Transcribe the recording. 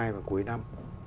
vào cuối năm